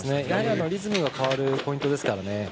やはり、リズムが変わるポイントですから